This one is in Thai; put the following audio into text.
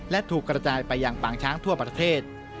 และถูกกระจายไปอย่างปางช้างทั่วประเทศ